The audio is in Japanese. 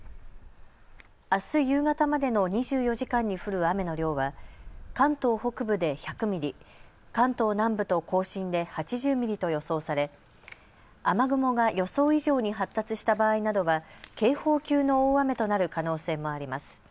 あす夕方までの２４時間に降る雨の量は関東北部で１００ミリ、関東南部と甲信で８０ミリと予想され雨雲が予想以上に発達した場合などは警報級の大雨となる可能性もあります。